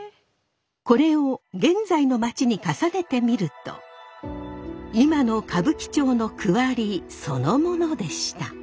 これを現在のまちに重ねてみると今の歌舞伎町の区割りそのものでした。